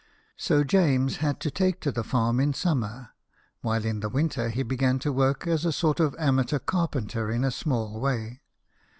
So James had to take to the farm in summer, while in the winter he began to work as a sort of amateur carpenter in a small way.